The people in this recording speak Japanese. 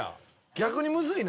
逆にむずいな。